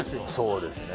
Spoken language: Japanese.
そうですね。